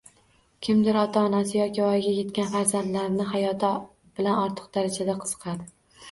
Kimdir ota-onasi yoki voyaga yetgan farzandining hayoti bilan ortiq darajada qiziqadi.